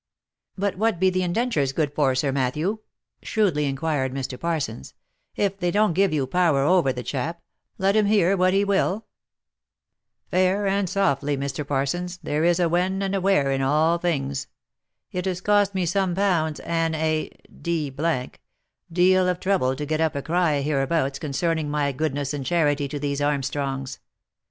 " But what be the indentures good for, Sir Matthew," shrewdly in quired Mr. Parsons, " if they don't give you power over the chap, let him hear what he will ?"" Fair and softly, Mr. Parsons — there is a when and a where in all things. It has cost me some pounds, and a d — d deal of trouble to get up a cry hereabouts concerning my goodness and charity to these Armstrongs.